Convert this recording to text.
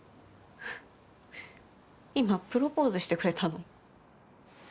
今、プロポーズしてくれたの？